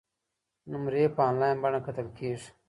نمرې په انلاین بڼه کتل کیږي.